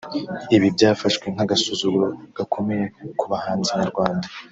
Ibi byafashwe nk'agasuzuguro gakomeye ku bahanzi nyarwanda